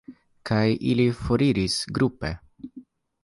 Kaj ili foriras grupe.